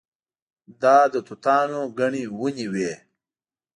دا د توتانو ګڼې ونې وې.